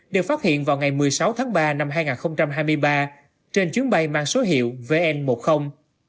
được phát hiện vào ngày một mươi sáu tháng ba năm hai nghìn hai mươi ba trên chuyến bay mang số hiệu vn một mươi